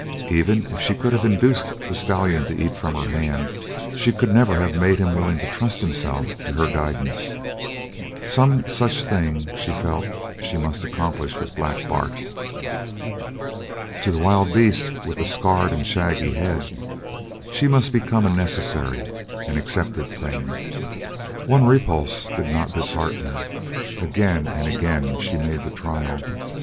Even if she could have induced the stallion to eat from her hand she could never have made him willing to trust himself to her guidance. Some such thing she felt that she must accomplish with Black Bart. To the wild beast with the scarred and shaggy head she must become a necessary, an accepted thing. One repulse did not dishearten her. Again and again she made the trial.